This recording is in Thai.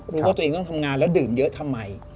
รู้ว่าตัวเองต้องทำงานแล้วดื่มเยอะทำไม